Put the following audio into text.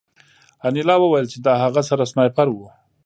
انیلا وویل چې د هغه سره سنایپر و